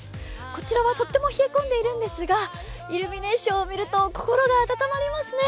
こちらはとっても冷え込んでいるんですが、イルミネーションを見ると、心が温まりますね。